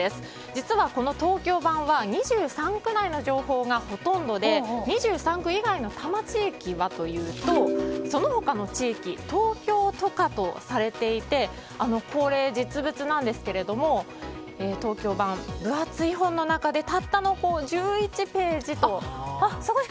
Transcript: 実はこの東京版は２３区内の情報がほとんどで２３区以外の多摩地域はというとその他の地域、東京都下とされていてこれ、実物なんですが東京版、分厚い本の中でたったの１１ページと。